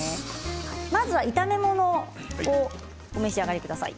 まずは炒め物の方をお召し上がりください。